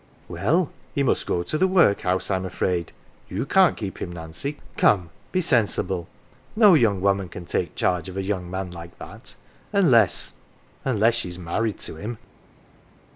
"Well, he must go to the workhouse, Fm afraid. You can't keep him, Nancy. Come, be sensible ! No young woman can take charge of a young man like that, unless unless she is married to him."